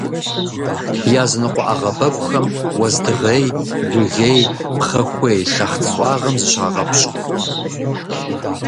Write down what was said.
Языныкъуэ ӏэгъэбэгухэм уэздыгъей, жыгей, пхъэхуей лъэхъц щӀагъым зыщагъэпщкӏу.